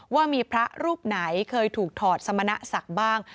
ว่ามีพระรูปไหนเคยถูกถอดสมณศักดิ์บ้าง